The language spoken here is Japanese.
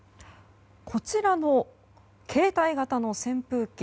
こちらの携帯型の扇風機